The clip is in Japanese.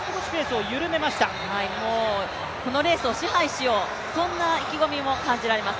このレースを支配しよう、そんな意気込みも感じられます。